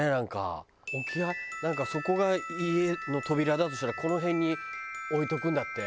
そこが家の扉だとしたらこの辺に置いとくんだって。